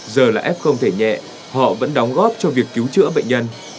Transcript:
giờ là f không thể nhẹ họ vẫn đóng góp cho việc cứu chữa bệnh nhân